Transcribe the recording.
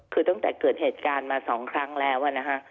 คือตั้งแต่เกิดเหตุการณ์มา๒ครั้งแล้วนะคะ